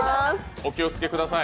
お気を付けください。